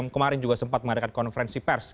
kemarin juga sempat mengadakan konferensi pers